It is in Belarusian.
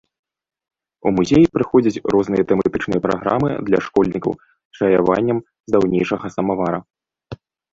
У музеі праходзяць розныя тэматычныя праграмы для школьнікаў з чаяваннем з даўнейшага самавара.